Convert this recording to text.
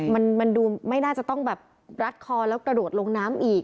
มันดูไม่น่าจะต้องแบบรัดคอแล้วกระโดดลงน้ำอีก